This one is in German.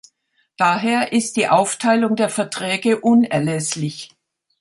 Daher ist die Aufteilung der Verträge unerlässlich.